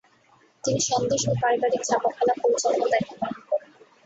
তিনি সন্দেশ ও পারিবারিক ছাপাখানা পরিচালনার দায়িত্ব পালন করেন।